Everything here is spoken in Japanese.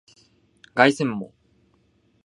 凱旋門